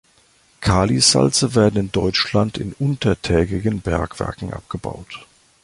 Kalisalze werden in Deutschland in untertägigen Bergwerken abgebaut.